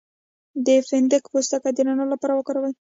د فندق پوستکی د رنګ لپاره وکاروئ